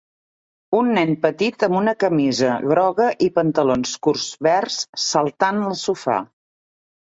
Un nen petit amb una camisa groga i pantalons curts verds saltant al sofà.